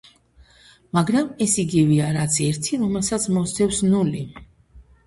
მაგრამ ეს იგივეა რაც ერთი რომელსაც მოსდევს ნული.